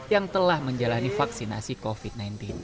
yang telah menjalani vaksinasi covid sembilan belas